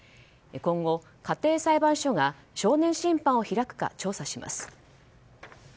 今後、家庭裁判所が少年審判を開くか調査します。